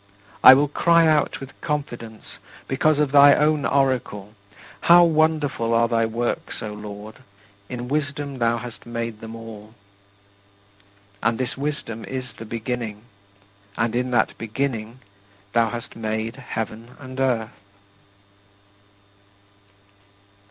I will cry out with confidence because of thy own oracle, "How wonderful are thy works, O Lord; in wisdom thou hast made them all." And this Wisdom is the Beginning, and in that Beginning thou hast made heaven and earth.